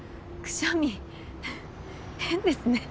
くしゃみ変ですね。